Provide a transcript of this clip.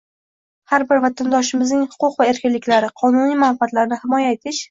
har bir vatandoshimizning huquq va erkinliklari, qonuniy manfaatlarini himoya etish